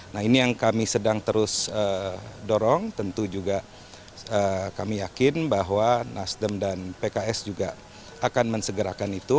nah ini yang kami sedang terus dorong tentu juga kami yakin bahwa nasdem dan pks juga akan mensegerakan itu